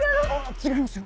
⁉違いますよ。